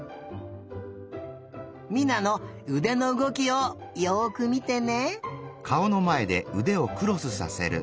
美菜のうでのうごきをよくみてね。